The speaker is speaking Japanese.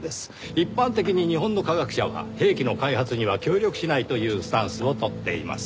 一般的に日本の科学者は兵器の開発には協力しないというスタンスを取っています。